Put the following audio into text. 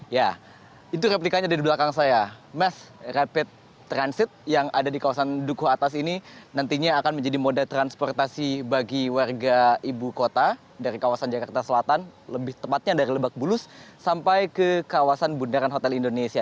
ya itu replikanya ada di belakang saya mass rapid transit yang ada di kawasan dukuh atas ini nantinya akan menjadi moda transportasi bagi warga ibu kota dari kawasan jakarta selatan lebih tepatnya dari lebak bulus sampai ke kawasan bundaran hotel indonesia